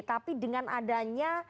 tapi dengan adanya